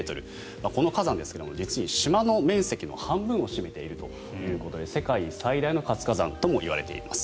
この火山、実に島の面積の半分を占めているということで世界最大の活火山ともいわれています。